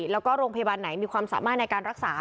แล้วก็โรงพยาบาลไหนมีความสามารถในการรักษา